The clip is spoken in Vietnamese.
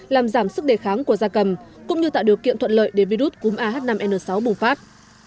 làm giảm sức đề kháng của gia cầm cũng như tạo điều kiện thuận lợi để virus cúm ah năm n sáu bùng phát